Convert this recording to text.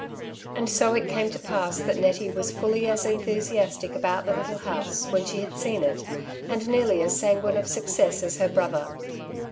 '' And so it came to pass that Nettie was fully as enthusiastic about the little house, when she had seen it, and nearly as sanguine of success as her brother.